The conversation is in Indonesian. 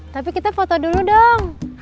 tapi kita foto dulu dong